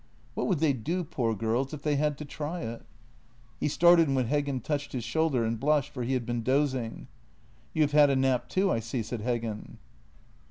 What would they do, poor girls, if they had to try it? He started when Heggen touched his shoulder, and blushed, for he had been dozing. " You have had a nap, too, I see," said Heggen.